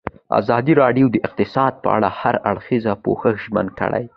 ازادي راډیو د اقتصاد په اړه د هر اړخیز پوښښ ژمنه کړې.